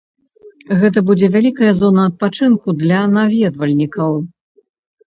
Гэта будзе вялікая зона адпачынку для наведвальнікаў.